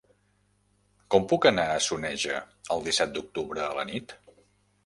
Com puc anar a Soneja el disset d'octubre a la nit?